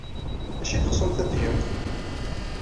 D acu ay teɣsemt ad t-tgemt?